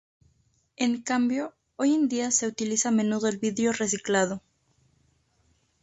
En cambio, hoy en día, se utiliza a menudo el vidrio reciclado.